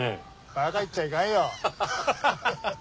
バカ言っちゃいかんよ。